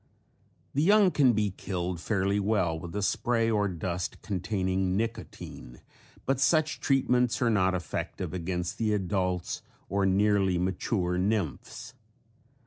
The young can be killed fairly well with a spray or dust containing nicotine but such treatments are not effective against the adults or nearly mature nymphs.